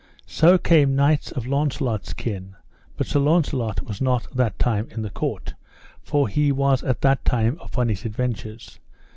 So came knights of Launcelot's kin, but Sir Launcelot was not that time in the court, for he was that time upon his adventures.